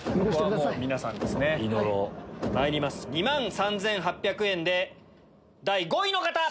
２万３８００円で第５位の方！